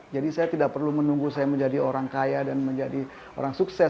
jadi saya tidak perlu menunggu saya menjadi orang kaya dan menjadi orang sukses